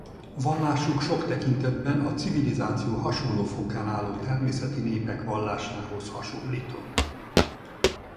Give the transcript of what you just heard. Vallásuk sok tekintetben a civilizáció hasonló fokán álló természeti népek vallásához hasonlított.